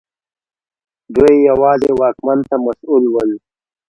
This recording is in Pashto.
دوی یوازې واکمن ته مسوول ول.